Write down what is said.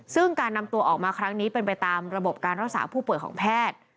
ซึ่งการนำตัวออกมาครั้งนี้เป็นไปตามระบบการรักษาผู้ป่วยของแพทย์